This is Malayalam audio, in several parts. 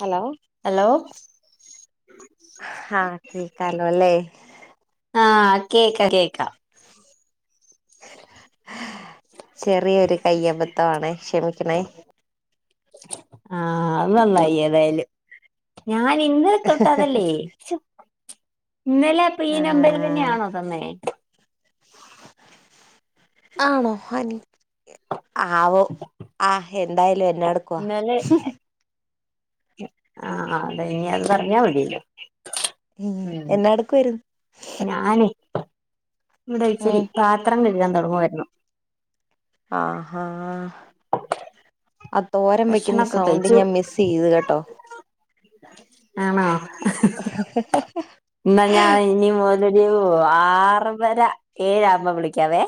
ഹലോ ഹലോ ആഹ് കേക്കാലോ അല്ലേ. ആഹ് കേക്കാ കേക്കാ. ചെറിയൊരു കയ്യബദ്ധവാണേ ക്ഷമിക്കണേ. ആഹ് അത് നന്നായി ഏതായാലും. ഞാൻ ഇന്ന് തൊട്ടതല്ലേ ഇന്നലെ അപ്പ ഈ ആ നമ്പറ് തന്നെയാണോ തന്നേ? ആണോ [unintelligible] ആവോ ആഹ് എന്തായാലും എന്നാടുക്കുവാ ഇന്നലെ ആഹ് അതെ ഇനി അത് പറഞ്ഞാ മതിയല്ലോ. ഉം എന്നാടുക്കുവായിരുന്നു ഞാനെ ഇവടെ ഇച്ചിരി ഉം പാത്രം കഴുകാൻ തുടങ്ങുവായിരുന്നു. ആഹാ ആ തോരൻ വെക്കുന്ന ഭക്ഷണൊക്കെ സൗണ്ട് കഴിച്ചു ഞാൻ മിസ്സെയ്തു കേട്ടോ. ആണോ ഇന്നാ ഞാൻ ഇനി മൊത് ലൊരു ആർ വര ഏഴാകുമ്പോ വിളിക്കാവേ.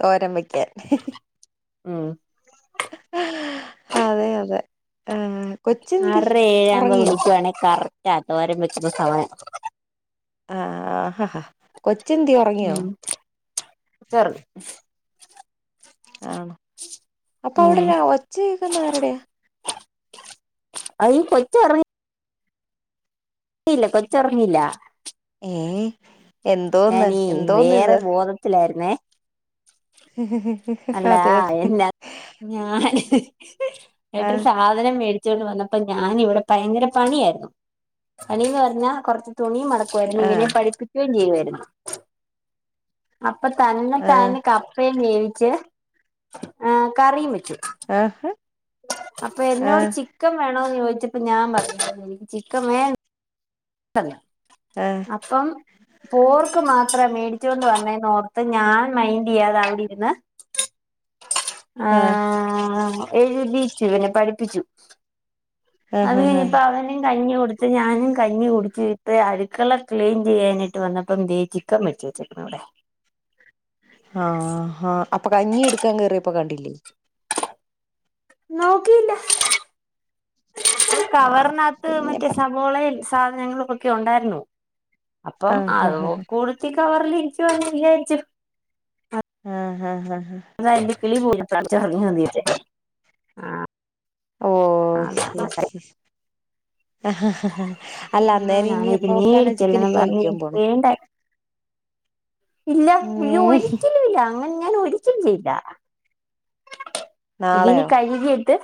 തോരൻ വെക്ക്യാൻ. ഉം അതെ അതെ ആഹ് ആറര ഏഴ് ആകുമ്പോ വിളിക്കുവാണെ കറക്റ്റാ തോരൻ വെക്കുന്ന സമയം. ആഹഹാ കൊച്ച് എന്ത്യെ ഒറങ്ങിയോ? കൊച്ചൊർങ്ങി. ആണോ. അപ്പൊ അവിടെ ഉം ഒരു ഒച്ച കേക്കുന്ന ആരുടെയാ? അയിന് കൊച്ച് ഒറങ് ഇല്ല കൊച്ച് ഒറങ്ങിയില്ല ഏഹ് എന്തോന്ന് ഞാനീ വേറെ എന്തോന്നിത് ബോധത്തിലായിരുന്നേ [unintelligible] അല്ലാ അതെ അതെ എന്നാ ഞാൻ ഏട്ടന് ആഹ് സാധനം മേടി- ച്ചോണ്ട് വന്നപ്പോ ഞാന ഇവിടെ ഭയങ്കര പണിയായിരുന്നു പണിന്ന് പറഞ്ഞാ കൊറച്ച് തുണി മടക്ക ഇവനെ ആഹ് പഠിപ്പിക്കുവേം ചെയ്യുവായിരുന്നു അപ്പൊ ആഹ് തന്നത്താനെ ക പ്പേം വേവിച്ച് ആഹ് കറിയും വെച്ചു ആഹാ അപ്പൊ എന്നോട് ചിക്കൻ വേണോന്ന് ചോദിച്ചപ്പോ ഞാൻ പറഞ്ഞു ചിക്കൻ വേ- ട്ട തെ ആഹ് അപ്പം പോർക്ക് മാത്രേ മേടിച്ചോണ്ട് വന്നെന്നോർത്ത് ഞാൻ മൈൻഡ് ചെയ്യാതെ അവിടെ ഇരുന്ന് [inaudible] ആഹ് എഴുതിച്ചു പിന്നെ പഠിപ്പിച്ചു ആഹ് അത് ആഹ് ആഹ് കയിഞ്ഞപ്പോ അവനും കഞ്ഞി കൊടുത്ത് ഞാനും കഞ്ഞി കുടി- ച്ചിട്ട് അടുക്കള ക്ലീൻ ചെയ്യാനായിട്ട് വന്നപ്പം ദേ ചിക്കൻ മേടിച്ച് വെച്ചേക്കുന്നു അവടെ ആഹാ അപ്പൊ കഞ്ഞി എടുക്കാൻ കേറിയപ്പോ കണ്ടില്ലേ നോക്കിയില്ല ആഹ് കവറിനാത്ത് പിന്നെ മറ്റേ പറ സബോളെം സാധനങ്ങളുമൊക്കെ ഒണ്ടാരുന്നു അപ്പം ആഹ് അത് കൂടു- ത്തി കവറിൽ ഇൻക്ക് വന്ന വിയാരിച്ചു ആഹ് ആഹ് ആഹ് വ [unintelligible] പോയി പ്രാർത്ഥിച്ച നന്നു [unintelligible] ഓഹ് ശരി ശരി [unintelligible] അല്ല അന്നേരം ഇനി ഞാനാണെ ഇത് എപ്പ വെക്കാനാ ചിക്കൻ മേടിക്കല്ലെന്ന് ഇപ്പ പറഞ്ഞ് വെക്കാൻ എനിക്ക് പോണോ വേണ്ട ഇല്ല ഇയ്യോ ഉം ഒരിക്കലും ഇല്ല അങ്ങന ഞാൻ ഒരിക്കലും ചെയ്യില്ല ഇതിന് നാളെയോ കഴുകിയിട്ട്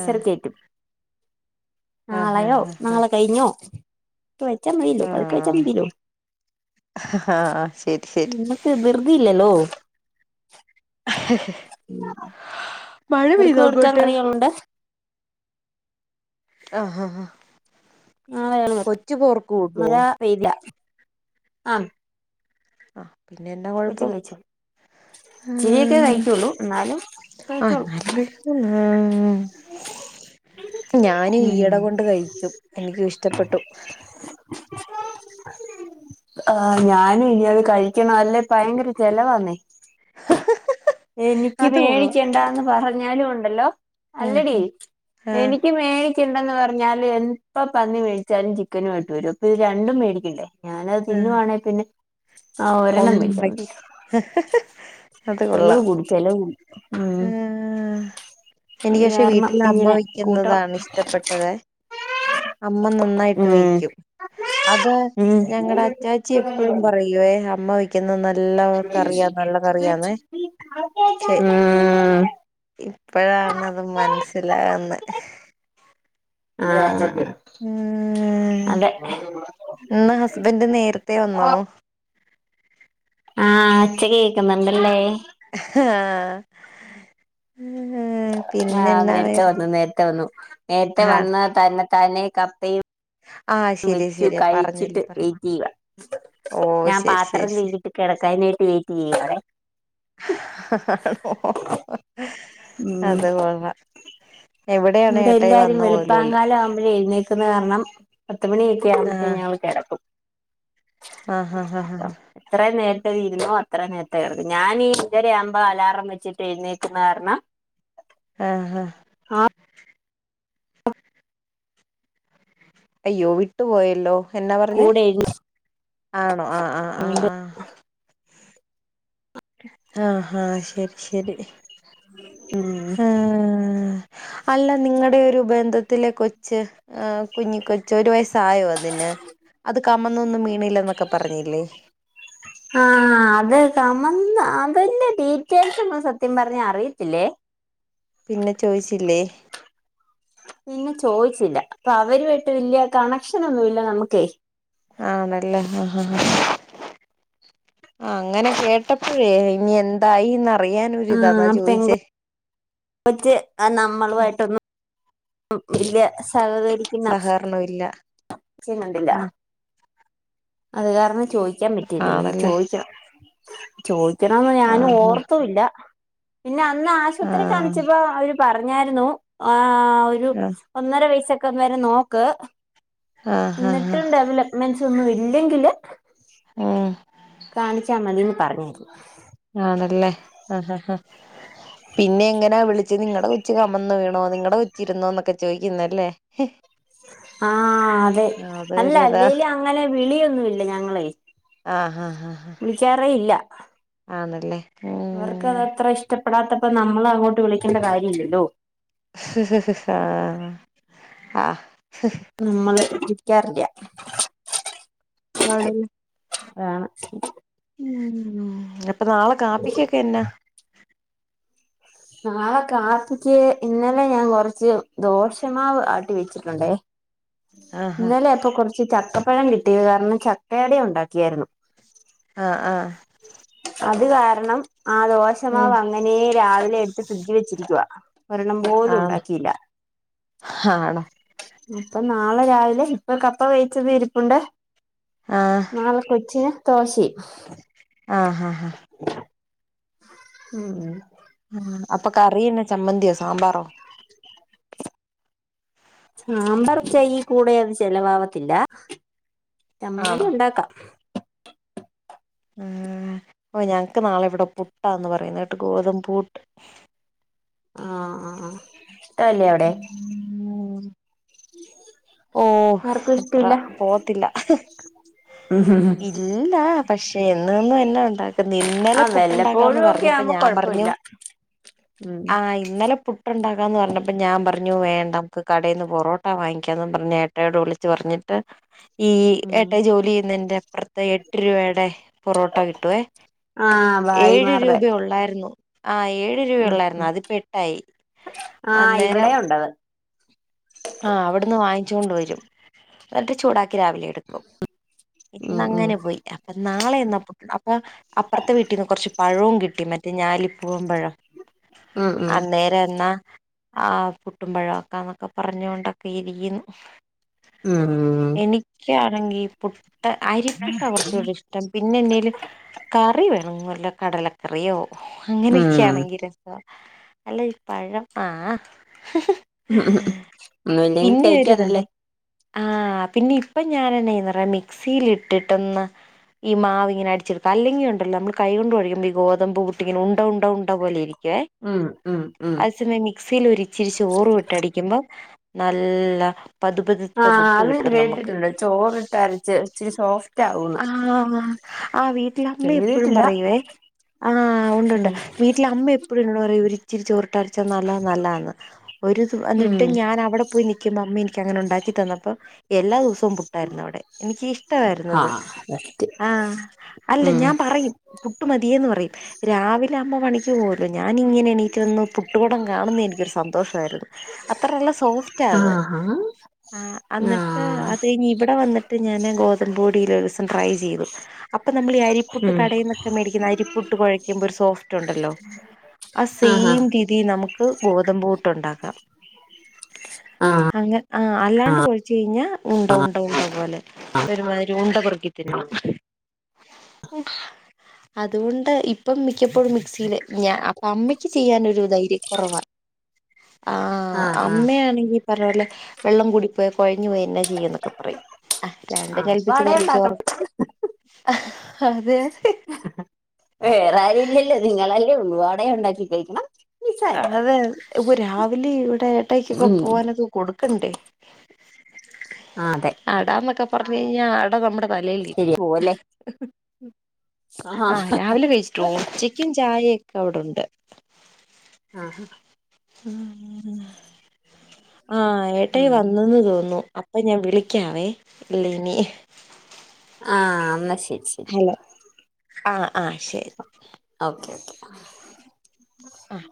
ആഹ് കയറ്റും ആഹ് നാളെയോ ആഹ് നാളെ ആഹ് കഴിഞ്ഞോ ക്കെ വെച്ചാ മയീലോ പതുക്കെ വെച്ചാ ആഹ് മതിലോ ആഹ് ശരി [unintelligible] ശരി [unintelligible] ധൃതി ഇല്ലല്ലോ [inaudible] [inaudible] മഴ പെയ്തോഅങ്ങോട്ട് ഒണ്ട് ആഹ് ആഹ് ആഹ് കൊച്ചു പോർക്ക് കൂട്ടുവോ പെയ്യില്ല ആം ആഹ് പിന്നെന്നാ കൊച്ചും കൊഴപ്പം കഴിച്ചോ ഇച്ചിരിയൊക്കെ കഴിക്കുവൊള്ളൂ എന്നാലും ആഹ് കഴിച്ചോളും എന്നാലും [unintelligible] ഞാനും ഉം ഈയിടെ കൊണ്ട് കഴിക്കും എനിക്കും ഇഷ്ടപ്പെട്ടു ആഹ് ഞാനും ഇനി അത് കഴിക്കണം അല്ലെ ഭയങ്കര ചെലവാന്നേ എനിക്ക് അത് കൊള്ളാം മേടിക്കണ്ടാന്ന് പറഞ്ഞാലും ഒണ്ട് ല്ലോ ഉം അല്ലടി ഉം ആ എനിക്ക് മേ മേടിക്കണ്ടന്ന് പറഞ്ഞാലും എപ്പ പന്നി മേടിച്ചാലും ചിക്കനും ആയിട്ട് വരും അപ്പൊ ഇത് രണ്ടും മേടിക്കണ്ടേ ഞാനത് തിന്നുവാണേ പിന്നെ ആ ഒരെണ്ണം മേടിച്ചാ ഒന്നും മതി [unintelligible] അത് ചെലവ് കൊള്ളാം കൂടി ചെലവ് കൂടി ഉം ആഹ് അത് എനിക്ക് പക്ഷെ കാരണം വീട്ടിൽ അമ്മ ഇങ്ങനെ കൂട്ടണം വെക്കുന്നതാണ് ഇഷ്ടപ്പെട്ടതെ അമ്മ നന്നായിട്ട് ഉം വയ്ക്കും അത് ഉം ഞങ്ങടെ ഉം അച്ചാച്ചിയെപ് എപ്പഴും പറയുവേ അമ്മ വെക്ക് ഇന്ന് നല്ല കറിയാ നല്ല കറിയാന്നെ ശ ഇപ്പോഴാണത് മനസിലാവുന്നെ ആഹ് ഉം അതെ ഇന്ന് ഹസ്ബൻഡ് നേരത്തെ വന്നോ? ആഹ് ഒച്ച കേക്കുന്നുണ്ടല്ലേ ആഹ് ആഹ് നേരത്തെ വന്നു നേരത്തെ വന്നു നേരത്തെ ആഹ് വന്ന് തന്നെ താനെ കപ്പയും ആഹ് ശരിയാ വെച്ചു ശരിയാ പറഞ്ഞല്ലോ കഴിച്ചിട്ട് പറ വെയിറ്റെയ്യുവാ ഓഹ് ഞാൻ ശരി പാത്രം ശരി ശരി കഴികീട്ട് കെടക്കാനായിട്ട് വെയിറ്റ് ചെയ്യുവാണേ ഉം അത് [unintelligible] എവിടെയാണ് ഇവിടെ ഏട്ടായി എല്ലാരും വന്ന പോലുല്ല വെളുപ്പാങ്ങാലം ആവുമ്പോഴേ എഴുന്നേ ക്ക്ന്ന കാരണം പത്ത് മണിയൊക്കെ ആവുമ്പത്തേന് ഞങ്ങള് കെടക്കും ആഹ് ആഹ് ആഹ് ആഹ് എത്ര നേരത്തെ വരുന്നോ അത്ര നേരത്തെ കെടക്കും ഞാനീ അഞ്ചര ആവുമ്പോ അലാറം വെച്ചിട്ട് എഴുന്നേക്കുന്ന കാരണം ആഹ് ആഹ് ആ അയ്യോ വിട്ടു പോയല്ലോ എന്നാ പറഞ്ഞേ കൂടെ ആണോ ആഹ് ആഹ് ആഹ് എഴുന്നേക്കുന്നുണ്ട് ആഹ് ആഹ് ആഹ് ശരി ശരി ഉം ആഹ് അല്ല നിങ്ങടെ ഒരു ബന്ധത്തിലേക്കൊച്ച് ആഹ് കുഞ്ഞി കൊച്ച് ഒരു വയസ്സായോ അതിന്? അത് കമന്നൊന്നും വീണില്ലാന്നൊക്കെ പറഞ്ഞില്ലേ ആഹ് അത് കമന്ന് അതിൻ്റെ ഡീറ്റെയിൽസ് ഒന്നും സത്യം പറഞ്ഞാ അറിയത്തില്ലേ പിന്നെ ചോയിച്ചില്ലേ? പിന്നെ ചോദിച്ചില്ല ഇപ്പൊ അവരുമായിട്ട് വല്യ കണക്ഷനൊന്നുവില്ല നമ്മുക്കെ ആന്നല്ലേ ആഹ് ആഹ് ആഹ് അങ്ങനെ കേട്ടപ്പഴേ ഇനി എന്തായീന്ന് അറിയാനൊരിത് അതാ ചോദിച്ചേ പറ്റി നമ്മളുവായിട്ടൊന്നും വല്യ സഹകരിക്കുന്ന സഹകരണം ഇല്ല [unintelligible] അത് കാരണം ചോദിക്കാൻ പറ്റില്ലേ ഇനി ആണല്ലേ ചോദിക്കണം ചോദിക്കണോന്ന് ഞാനും ആഹ് ഓർത്തു ഇല്ല പിന്നെ അന്ന് ആശുപത്രി ആഹ് കാണിച്ചപ്പോ അവര് പറഞ്ഞാരുന്നു ആഹ് ഒരു ഒന്നര വയസൊക്കെ വരെ നോക്ക് ആഹ് ആഹ് ആഹ് ഇന്നിട്ടും ഡെവലപ്മെന്റ്സ് ഒന്നും ഇല്ലെങ്കില് ഉം കാണിച്ചാ മതീന്ന് പറഞ്ഞിരുന്നു ആണല്ലേ ആഹ് ആഹ് പിന്നെ ഇങ്ങനെ വിളിച്ച് നിങ്ങടെ കൊച്ച് കൊച്ച് കമന്ന് വീണോ നിങ്ങടെ കൊച്ചിരുന്നോ എന്നൊക്കെ ചോദിക്കുന്നല്ലേ ആഹ് അതെ അല്ല അതൊരിതാ അല്ലേലും അങ്ങനെ വിളിയൊന്നും ഇല്ല ഞങ്ങളേ ആഹ് ആഹ് വിളിക്കാറേ ഇല്ല ആന്നല്ലേ ഉം അവർക്ക് അത് അത്ര ഇഷ്ടപ്പെടാത്തപ്പോ നമ്മള് അങ്ങോട്ട് വിളിക്കണ്ട കാര്യം ഇല്ലല്ലോ ആഹ് ആഹ് നമ്മള് വിളിക്കാറില്ല ആണല്ലേ അതാണ് മ് അപ്പൊ നാളെ കാപ്പിക്കൊക്കെ എന്നാ നാളെ കാപ്പിക്ക് ഇന്നലെ ഞാൻ കൊറച്ച് ദോശമാവ് ആട്ടി വെച്ചിട്ടുണ്ടേ ആഹ് ഇന്നലെ അപ്പൊ കുറച്ച് ചക്കപ്പഴം കിട്ടിയ കാരണം ചക്കയട ഉണ്ടാക്കിയേരുന്നു ആഹ് ആഹ് അത് കാരണം ആ ആഹ് ഉം ദോശമാവ് അങ്ങനെ രാവിലെ എടു എടുത്ത് ഫ്രിഡ്ജിൽ വെച്ചിരിക്കുവ ഒരെണ്ണം പോലും ആണ് ഉണ്ടാക്കിയില്ല ആണോ അപ്പൊ നാളെ രാവിലെ ഇപ്പൊ കപ്പ വേിച്ചത് ഇരിപ്പുണ്ട് ആഹ് നാളെ കൊച്ചിന് തോശെയ് ആഹ് ഹാ ഹാ മ് മ് അപ്പൊ കറിയെന്ന ചമ്മന്തിയോ സാമ്പാറോ സാമ്പർ വെച്ച ഈ കൂടെ അത് ചെിലവാവത്തില്ല ആണോ ചമ്മന്തി ഉണ്ടാക്കാം മ് ഓ ഞങ്ങക്ക് നാളെ ഇവിടെ പുട്ടാന്ന് പറയുന്ന കേട്ട് ഗോതമ്പ് പുട്ട് ആഹ് ഹാ ഹാ ഇഷ്ടവല്ലേ അവിടെ ഉം ഓ ആർക്കും അത്ര ഇഷ്ടമില്ല പോത്തില്ല ഇല്ല പക്ഷെ എന്നും എന്നും എന്നാ ഉണ്ടാക്കുന്നേ ആ ഇന്നലെ പുട്ടുണ്ടാക്കാന്ന് വല്ലപ്പോഴും പറഞ്ഞ് ഒക്കെ ഞ്ഞപ്പോ ആവുമ്പോ ഞാൻ പറഞ്ഞു കൊഴപ്പമില്ല ഉം ആഹ് ഇന്നലെ പു പുട്ടുണ്ടക്കാന്ന് പറഞ്ഞപ്പ ഞാൻ പറഞ്ഞു വേണ്ട നമക്ക് കടേന്ന് പൊറോട്ട വാങ് ക്കാന്നും പറഞ്ഞ് ഏട്ടായിയോട് വിളിച്ച് പറഞ്ഞിട്ട് ഈ ഉം ഏട്ടായി ജോലി ചെയ്യുന്നതിന്റെ അപ്പുറത്ത് എട്ട് രൂപായുടെ പൊറോട്ട കിട്ടുവേ ആഹ് ഏഴ് ഭായിമാരുടെ രൂപേ ഒള്ളാരുന്നു ആഹ് ഏഴ് രൂപേ ഉം ഒള്ളാരുന്നു ഉം അത് ഇപ്പൊ എട്ടായി ആഹ് ഇവിടെ അന്നേരം ഉണ്ടത് ആഹ് അവിടൂന്ന് വാങ്ങിച്ചു കൊണ്ട് വരും എന്നിട്ട് ചൂടാക്കി രാവിലെ ടുക്കും ഇന്ന് ഉം ഉം അങ്ങനെ പോയി അപ്പൊ നാളെ എന്നാ പുട്ട് ഉണ്ടാക്കാ അപ്പൊ അപ്പറത്തെ വീട്ടീന്ന് കുറച്ച് പഴവും കിട്ടി മറ്റേ ഞാലി പൂവൻ പഴം ഉം ഉം അന്നേരം എന്നാ ആഹ് പുട്ടും പഴവുമാക്കാന്നൊക്കെ പറഞ്ഞൊണ്ടൊക്കെ- ഇരിക്കുന്നു മ് എനിക്കാണെങ്കി പുട്ട് അരിപ്പുട്ടാ കുറച്ചൂടെ ഇഷ് ടം പിന്നെ എന്തെലും കറി വേണം വെല്ലോ കടലക്കറിയോ ഉം അങ്ങനെയൊക്കെയാണെങ്കി രസമാ അല്ല ഈ പഴം ആഹ് മ് മ് മ് പിന്നെ ഒരിതുണ്ടേ ആഹ് പിന്നെ ഇപ്പൊ ഞാൻെ എന്നാ ചെയ്യുമെന്ന് അറിയോ മിക്സിൽ ഇട്ടിട്ടൊന്ന് ഈ മാവിങ്ങനെ അടിച്ചെടുകത്ത് അല്ലെങ്കി ഉണ്ടല്ലോ നമ്മള് കൈ കൊണ്ട് കൊഴക്കുമ്പഴുത്തേക്ക് ഈ ഗോതമ്പ് പുട്ടിങ്ങനെ ഉണ്ട ഉണ്ട ഉണ്ട പോലെ ഇരിക്കും ക്കെ ഉം ഉം ഉം അതേസമയം മിക്സിയിൽ ഒരിച്ചിരി ചോറും ഇട്ടടിക്കുമ്പം നല്ല പതുപതുത്തെ പുട്ട് കിട്ടും നമുക്ക് തരിച്ച് ആഹ് ആഹ് വീട്ടിലമ്മ എപ്പോഴും ചെയ്തിട്ടില്ല പറയുവേ ആഹ് ഉണ്ട്ണ്ട് ഉം വീട്ടില് അമ്മി [unintelligible] ഒരിച്ചിരി ചോറിട്ടരച്ച നല്ല നല്ലാന്ന് ഒരു തു ഉം അന്നിട്ട് ഞാനവടെ പോയി നിക്കുമ്പോ അമ്മ എനിക്ക് അങ്ങനെ ഉണ്ടാക്കി തന്നപ്പോ എല്ലാ ദിവസവും പുട്ടായിരുന്നു അവിടെ എനിക്കി ഷ് അ ആഹ് അതെ ആഹ് അല്ല ഞാം പറയും പുട്ടുമതിയേ ന്ന് പറയും രാവിലെ അമ്മ പണിക്ക് പോവല്ലോ ഞാനിങ്ങനെണീറ്റ് വന്ന് പുട്ടു കുടം കാണുന്ന എനിക്കൊരു സന്തോഷാരുന്നു. അത്ര ല്ല സോഫ്റ്റാത് ആഹാ ആഹ് അന്നിട്ട് ആഹ് അത് കഴിഞ്ഞിവിടെ വന്നിട്ട് ഞാന് ഗോതമ്പ് പൊടിയിലൊരുസം ട്രൈ ചെയ്തു അപ്പൊ നമ്മളീ അരിപ്പുട്ട് ഉം കടയിന്നൊക്കെ മേടിക്കുന്ന അരിപ്പുട്ട് കൊഴയ്ക്കുമ്പൊരു സോഫ്റ്റുണ്ടല്ലോ അ ആഹാ സെയിം രീതി നമുക്ക് ഗോതമ്പ് പുട്ടുണ്ടാക്കാം ആഹ് ഹങ്ങ ആഹ് അല്ലാണ്ട് കൊഴച്ച് കഴിഞ്ഞാ ഉണ്ട ഉണ്ട ഉണ്ട പോലെ ആഹ് ഒരുമാതിരി ഉണ്ട പെറുക്കിത്തിന്നെ ഉം അതുകൊണ്ട് ഇപ്പം മിക്കപ്പോഴും മിക്സില് ഞാ അപ്പം അമ്മയ്ക്ക് ചെയ്യാനൊരു ധൈര്യക്കൊറവാ. ആഹ് അമ്മയാണെങ്കി പറഞ്ഞ പോലെ വെള്ളം കൂടിപ്പോയ് കൊഴഞ്ഞു പോയി എന്നാ ചെയ്യന്നൊക്കെ പറയും രണ്ടും അപ്പൊ കൽപ്പിച്ച് അട കൊർച് ചോർ ഉണ്ടാക്കണം അതെ വേറാരുല്ലല്ലോ നിങ്ങളല്ലേ ഉള്ളൂ അടെ ഉണ്ടാക്കി കഴിക്കണം നിസ്സാരം അതെ ഇപ്പൊ രാവിലെ ഇവിടെ ഏട്ടയ്ക്കൊക്കെ ഉം പോകാനൊക കൊടുക്കണ്ടേ ആഹ് അതെ അടാന്നൊക്കെ പറഞ്ഞു കയിഞ്ഞാ അട നമ്മുടെ തലേല്. ശരിയാ പോവല്ലേ ആഹ് രാവിലെ കഴിച്ചിട്ടു പോവും ഉച്ചക്കും ചായയു ഒക്കവിടെണ്ട്. ആഹ് ആഹ് [inaudible] ആഹ് ഏട്ടായി ഉം വന്നുന്ന് തോന്നു അപ്പൊ ഞാൻ വിളിക്കാവേ ഇല്ലി നി ആഹ് ന്നാ ശരി ശരി ഹലോ ആഹ് ആഹ് ശരി അ ഓക്കെ ഓക്കെ. ആഹ്